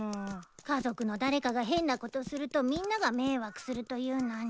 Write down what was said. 家族の誰かが変なことするとみんなが迷惑するというのに。